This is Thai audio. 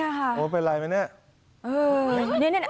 เจ้าว่าเป็นไรมั้ยเนี่ย